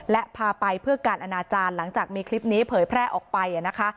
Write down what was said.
และพาไปเพื่อการอนาจารย์หลังจากมีคลิปนี้เผยแพร่ออกไปนะคะ